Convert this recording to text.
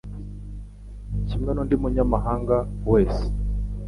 kimwe n'undi munyamahanga wese.